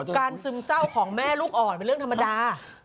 ซึมเศร้าของแม่ลูกอ่อนเป็นเรื่องธรรมดา